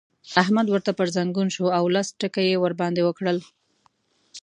احمد ورته پر ځنګون شو او لس ټکه يې ور باندې وکړل.